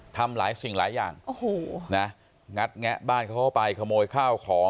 ทำหลายสิ่งหลายอย่างงัดแงะบ้านเข้าไปขโมยข้าวของ